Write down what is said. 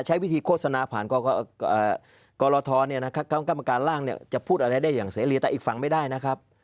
ใช้วิธีโฆษณาผ่านกรทกรรมการร่างจะพูดอะไรได้อย่างเสรีแต่อีกฝั่งไม่ได้นะครับ